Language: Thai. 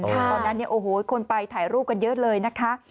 ตอนนั้นคนไปถ่ายรูปกันเยอะเลยนะคะ